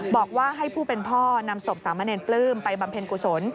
บอกว่าให้ผู้เป็นพ่อนำศพสามะเนรปลื้มไปบำเพ็ญกุศล